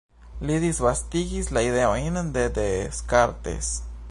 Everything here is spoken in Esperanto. Li disvastigis la ideojn de Descartes.